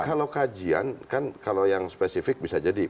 kalau kajian kan kalau yang spesifik bisa jadi